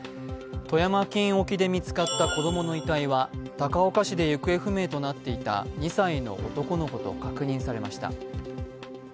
富山県沖で見つかった子供の遺体は高岡市で行方不明となっていた２歳の男の子と確認されました。